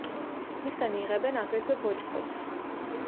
მისგან იღებენ აგრეთვე ბოჭკოს.